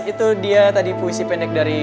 itu dia tadi puisi pendek dari